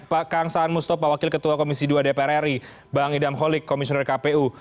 pak kang saan mustafa wakil ketua komisi dua dpr ri bang idam holik komisioner kpu